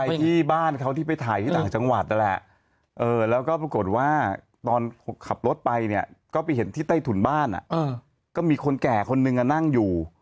ที่บ้านเขาที่ไปถ่ายที่ต่างจังหวัดนั่นแหละแล้วก็ปรากฏว่าตอนขับรถไปเนี่ยก็ไปเห็นที่ใต้ถุนบ้านก็มีคนแก่คนนึงนั่งอยู่